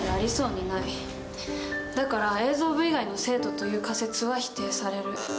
だから映像部以外の生徒という仮説は否定される。